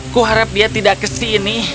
kuharap dia tidak ke sini